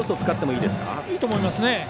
いいと思いますね。